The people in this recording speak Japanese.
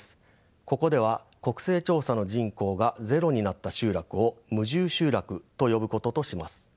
ここでは国勢調査の人口がゼロになった集落を無住集落と呼ぶこととします。